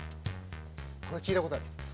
これ聴いたことある。